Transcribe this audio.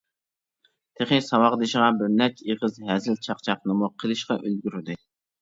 تېخى ساۋاقدىشىغا بىرنەچچە ئېغىز ھەزىل چاقچاقنىمۇ قىلىشقا ئۈلگۈردى.